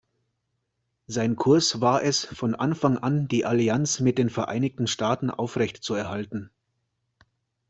Sein Kurs war es von Anfang an die Allianz mit den Vereinigten Staaten aufrechtzuerhalten.